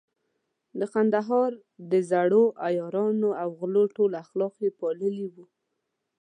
د کندهار د زړو عیارانو او غلو ټول اخلاق يې پاللي وو.